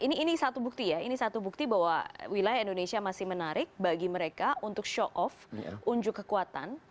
ini satu bukti ya ini satu bukti bahwa wilayah indonesia masih menarik bagi mereka untuk show off unjuk kekuatan